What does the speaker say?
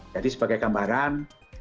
jadi sebagai gambaran